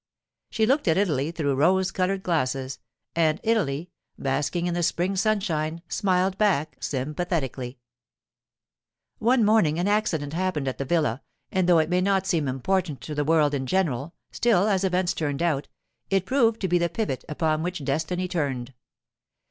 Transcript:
She looked at Italy through rose coloured glasses, and Italy, basking in the spring sunshine, smiled back sympathetically. One morning an accident happened at the villa, and though it may not seem important to the world in general, still, as events turned out, it proved to be the pivot upon which destiny turned.